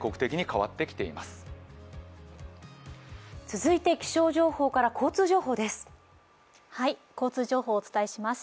続いて気象情報から交通情報です。